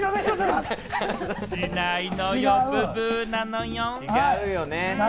しないのよ、ブブーなのよ。